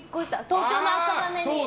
東京の赤羽に。